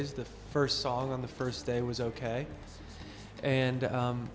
aku tahu itu lagu yang bagus dan aku sangat suka lagunya